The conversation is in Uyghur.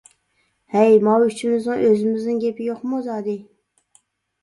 -ھەي، ماۋۇ ئۈچىمىزنىڭ ئۆزىمىزنىڭ گېپى يوقمۇ زادى!